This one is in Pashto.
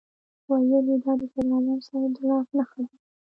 ویل یې دا د صدراعظم صاحب د لاس نښه ده.